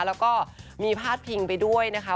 แล้วก็มีพาตการณ์ผิงไปด้วยนะคะ